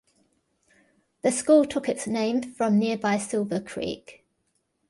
The school took its name from nearby Silver Creek.